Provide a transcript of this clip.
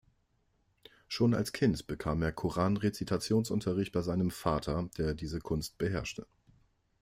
Schon als Kind bekam er Koran-Rezitations-Unterricht bei seinem Vater, der diese Kunst beherrschte.